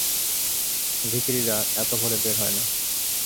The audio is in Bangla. ভিখিরিরা এত ভোরে বের হয় না।